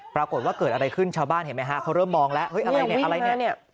ปรากฏว่าเกิดอะไรขึ้นชาวบ้านเห็นไหมฮะเขาเริ่มมองแล้วอะไรเนี่ย